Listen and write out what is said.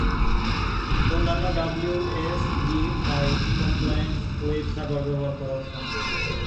অন্যান্য WSGI compliant web server ব্যবহার করাও সম্ভব।